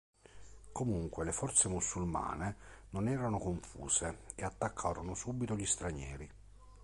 Comunque, le forze musulmane non erano "confuse" e attaccarono subito gli stranieri.